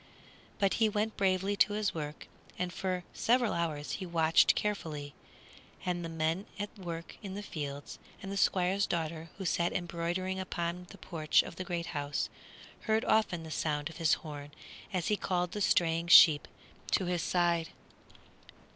But he went bravely to his work, and for several hours he watched carefully; and the men at work in the fields, and the Squire's daughter, who sat embroidering upon the porch of the great house, heard often the sound of his horn as he called the straying sheep to his side.